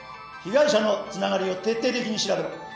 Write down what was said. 被害者のつながりを徹底的に調べろ。